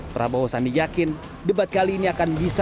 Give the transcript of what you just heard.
prabowo sandi yakin debat kali ini akan bisa